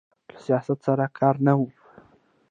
له سیاست سره یې کار نه و.